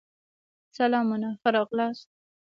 سلامونه ښه راغلاست